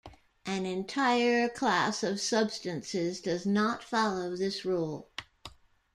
An entire class of substances does not follow this rule.